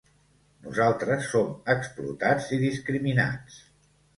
Nosaltres som explotats i discriminats.